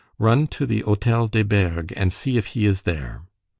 Run to the Hotel des Bergues and see if he is there."